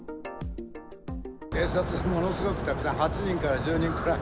警察がものすごくたくさん、８人から１０人くらい。